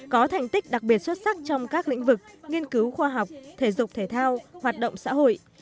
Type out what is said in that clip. có thành tích đặc biệt xuất sắc trong các lĩnh vực nghiên cứu khoa học thể dục thể thao hoạt động xã hội